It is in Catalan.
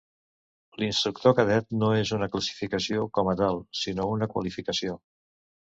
L'Instructor Cadet no és una classificació com a tal, sinó una qualificació.